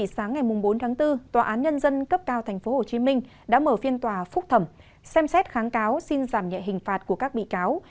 sáng ngày bốn tháng bốn tòa án nhân dân cấp cao tp hcm đã mở phiên tòa phúc thẩm xem xét kháng cáo xin giảm nhẹ hình phạt của các bị cáo